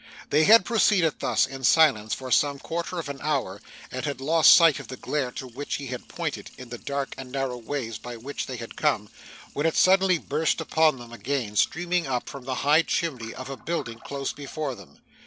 They had proceeded thus, in silence, for some quarter of an hour, and had lost sight of the glare to which he had pointed, in the dark and narrow ways by which they had come, when it suddenly burst upon them again, streaming up from the high chimney of a building close before them.